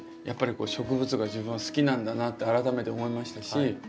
やっぱり植物が自分は好きなんだなって改めて思いましたし。